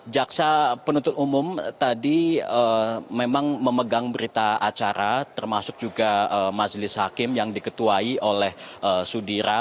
jaksa penuntut umum tadi memang memegang berita acara termasuk juga majelis hakim yang diketuai oleh sudira